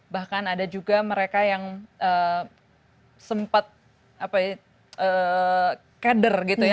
bahkan ada juga mereka yang sempat kader gitu ya